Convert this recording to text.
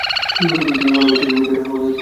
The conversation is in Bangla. অনেক হইসে, বের হন আপনি।